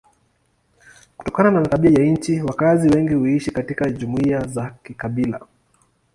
Kutokana na tabia ya nchi wakazi wengi huishi katika jumuiya za kikabila.